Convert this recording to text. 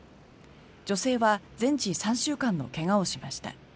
女性は全治３週間の怪我をしました。